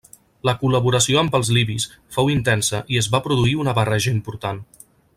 La col·laboració amb els libis fou intensa i es va produir una barreja important.